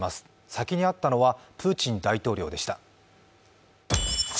先に会ったのはプーチン大統領でした。